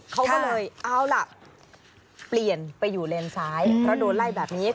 เขาก็เลยเอาล่ะเปลี่ยนไปอยู่เลนซ้ายเพราะโดนไล่แบบนี้